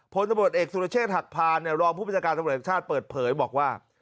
พลตมติศาสตร์เอกสุรเชษฐหักพาลรองผู้บริษัการสมุทรอักษณ์ชาติเปิดเผยบอกว่า